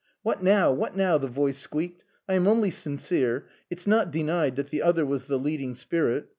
"What now? what now?" the voice squeaked. "I am only sincere. It's not denied that the other was the leading spirit.